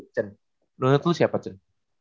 beneran itu siapa chen